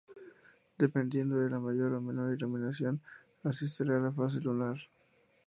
Dependiendo de la mayor o menor iluminación, así será la fase lunar.